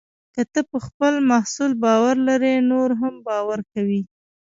که ته پر خپل محصول باور لرې، نور هم باور کوي.